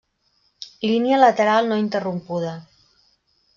Línia lateral no interrompuda.